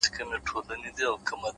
عاجزي د عزت ساتونکې ده’